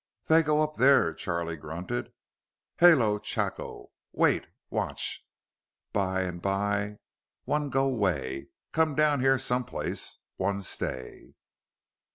"They go up there," Charlie grunted. "Halo chako. Wait. Watch. By and by one go 'way. Come down here someplace. One stay."